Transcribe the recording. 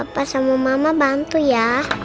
pas sama mama bantu ya